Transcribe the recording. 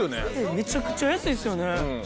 めちゃくちゃ安いですよね。